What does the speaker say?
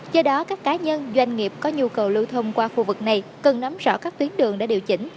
do đó các cá nhân doanh nghiệp có nhu cầu lưu thông qua khu vực này cần nắm rõ các tuyến đường đã điều chỉnh